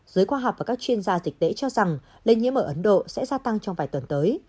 giới khoa học và các chuyên gia dịch tễ cho rằng lây nhiễm ở ấn độ sẽ gia tăng trong vài tuần tới